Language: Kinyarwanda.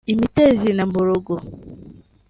imitezi na mburugu